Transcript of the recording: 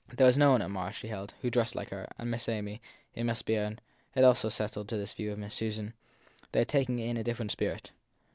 There was no one at Marr, she held, who dressed like her; and Miss Amy, it must be owned, had also settled to this view of Miss Susan, though taking it in a different spirit.